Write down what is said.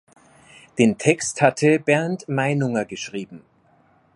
Den Text hatte Bernd Meinunger geschrieben.